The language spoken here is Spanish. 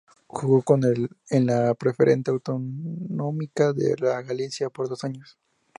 Jugó en la Preferente Autonómica de Galicia por dos años.